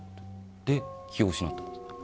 で、気を失った。